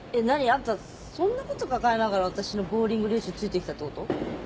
あんたそんなこと抱えながら私のボウリング練習ついてきたってこと？